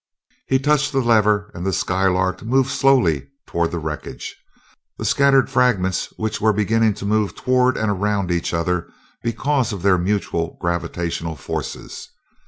He touched the lever and the Skylark moved slowly toward the wreckage, the scattered fragments of which were beginning to move toward and around each other because of their mutual gravitational forces.